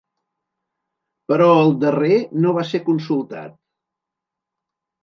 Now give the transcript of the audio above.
Però el darrer no va ser consultat.